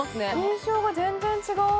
印象が全然違う。